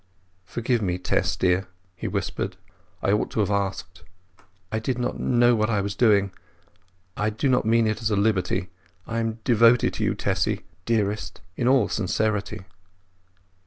"Forgive me, Tess dear!" he whispered. "I ought to have asked. I—did not know what I was doing. I do not mean it as a liberty. I am devoted to you, Tessy, dearest, in all sincerity!"